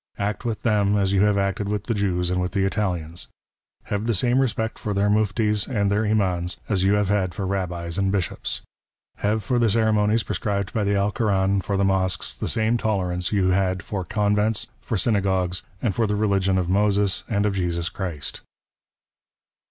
Act with them as you have acted with the Jews and " with the Italians. Have the same respect for their Muftis and " their Imans, as you have had for Rabbis and Bishops. Have " for the ceremonies prescribed by the Alkoran, for the Mosques, " the same tolerance you had for Convents, for Synagogues, and " for the religion of Moses, and of Jesus Christ."